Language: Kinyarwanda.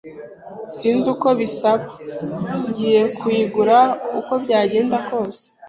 Sinzi uko bisaba. Ngiye kuyigura uko byagenda kose.